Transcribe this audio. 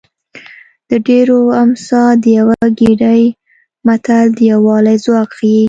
د ډېرو امسا د یوه ګېډۍ متل د یووالي ځواک ښيي